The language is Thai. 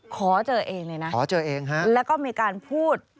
ขอเจอเองเลยนะขอเจอเองฮะแล้วก็มีการพูด